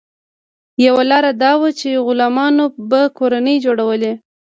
یوه لار دا وه چې غلامانو به کورنۍ جوړولې.